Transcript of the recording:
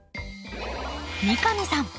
三上さん